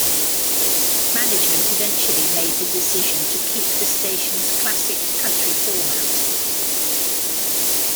Management eventually made the decision to keep the station's classic country format.